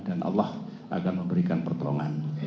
dan allah akan memberikan pertolongan